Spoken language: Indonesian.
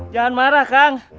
jangan marah kang